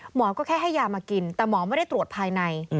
หมอก็แค่ให้ยามากินแต่หมอไม่ได้ตรวจภายใน